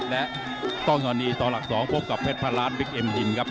และต้องธรณีต่อหลัก๒พบกับเพชรภาระบิ๊กเอ็มยินครับ